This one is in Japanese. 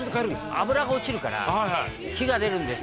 「脂が落ちるから火が出るんですよ」